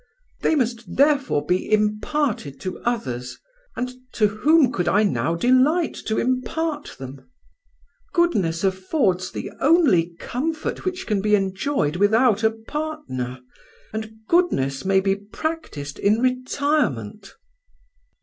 They must therefore be imparted to others, and to whom could I now delight to impart them? Goodness affords the only comfort which can be enjoyed without a partner, and goodness may be practised in retirement."